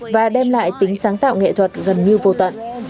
và đem lại tính sáng tạo nghệ thuật gần như vô tận